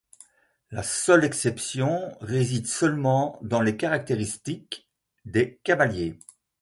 La seule exception réside seulement dans les caractéristiques des cavaliers.